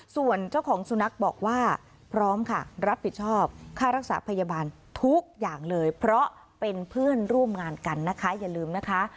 ส่วนเจ้าของสุนัขบอกว่าพร้อมค่ะรับผิดชอบค่ารักษาพยาบาลทุกอย่างเลยเพราะเป็นเพื่อนร่วมงานกันนะคะอย่าลืมนะคะ